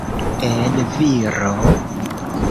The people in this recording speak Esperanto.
En viro?